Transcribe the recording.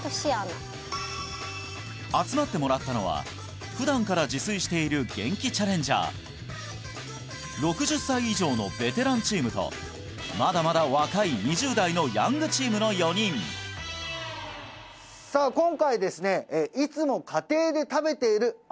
集まってもらったのは普段から自炊しているゲンキチャレンジャー６０歳以上のベテランチームとまだまだ若い２０代のヤングチームの４人さあ今回ですね